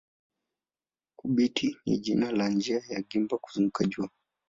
Obiti ni jina la njia ya gimba kuzunguka jua.